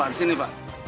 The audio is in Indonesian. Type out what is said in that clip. di sini pak